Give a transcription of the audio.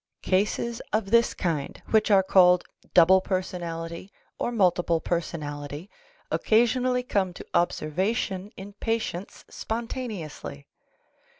Cases of this kind, which are called double personality or multiple personality, occasionally come to observation in patients spontaneously.